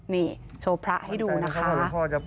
นี่โชว์พระให้ดูนะคะ